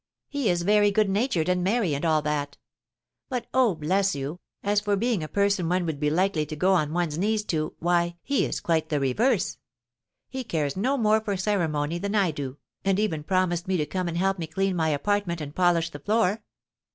He is very good natured and merry, and all that; but oh, bless you, as for being a person one would be likely to go on one's knees to, why, he is quite the reverse. He cares no more for ceremony than I do, and even promised me to come and help me clean my apartment and polish the floor.